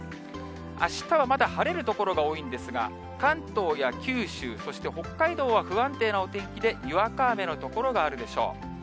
あしたはまだ晴れる所が多いんですが、関東や九州、そして北海道は不安定なお天気でにわか雨の所があるでしょう。